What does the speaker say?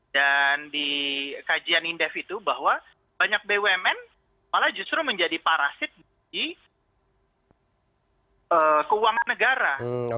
di kajian indef itu bahwa banyak bumn malah justru menjadi parasit bagi keuangan negara